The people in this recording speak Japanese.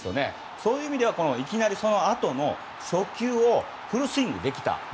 そういう意味ではそのあとの初球をフルスイングできた。